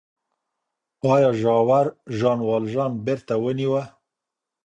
آیا ژاور ژان والژان بېرته ونیوه؟